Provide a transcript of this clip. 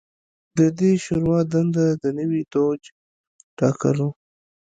د دې شورا دنده د نوي دوج ټاکل و